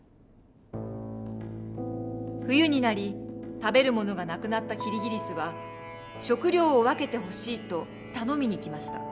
冬になり食べるものが無くなったキリギリスは食料を分けてほしいと頼みに来ました。